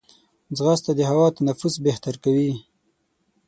ځغاسته د هوا تنفس بهتر کوي